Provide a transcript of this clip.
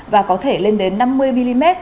và có thể lên đến năm mươi mm